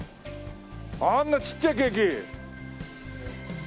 あんなちっちゃいケーキ！